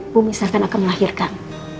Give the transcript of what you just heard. bu misalkan akan melahirkan